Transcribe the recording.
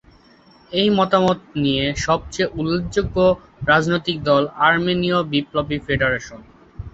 এই মতামত নিয়ে সবচেয়ে উল্লেখযোগ্য রাজনৈতিক দল আর্মেনীয় বিপ্লবী ফেডারেশন।